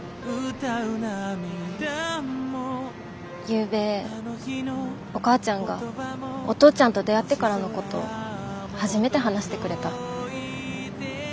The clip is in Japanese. ゆうべお母ちゃんがお父ちゃんと出会ってからのことを初めて話してくれた。